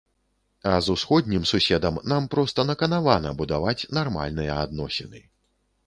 А з усходнім суседам нам проста наканавана будаваць нармальныя адносіны.